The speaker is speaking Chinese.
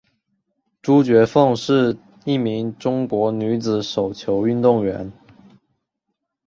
朱觉凤是一名中国女子手球运动员。